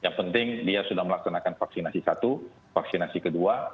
yang penting dia sudah melaksanakan vaksinasi satu vaksinasi kedua